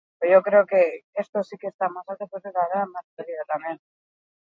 Minutu pare bat galdu dut argazki bakoitzarekin.